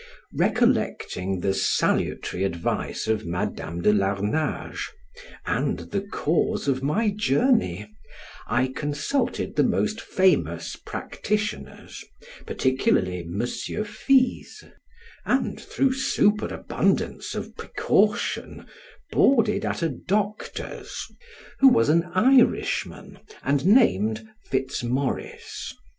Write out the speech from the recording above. Recollecting the salutary advice of Madam de Larnage, and the cause of my journey, I consulted the most famous practitioners, particularly Monsieur Fizes; and through superabundance of precaution boarded at a doctor's who was an Irishman, and named Fitz Morris.